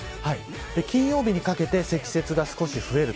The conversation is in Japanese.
金曜日にかけて積雪が少し増えると。